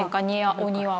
お庭は。